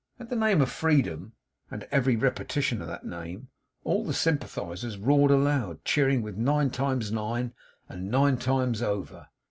At the name of Freedom, and at every repetition of that name, all the Sympathisers roared aloud; cheering with nine times nine, and nine times over.